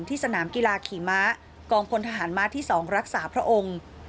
สนามกีฬาขี่ม้ากองพลทหารม้าที่๒รักษาพระองค์